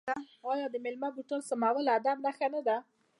آیا د میلمه بوټان سمول د ادب نښه نه ده؟